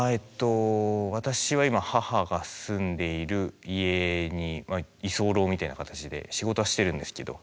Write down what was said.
私は今母が住んでいる家に居候みたいな形で仕事はしてるんですけど。